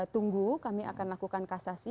tunggu kami akan lakukan kasasi